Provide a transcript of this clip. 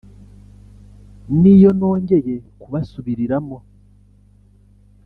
niyo nongeye kubasubiriramo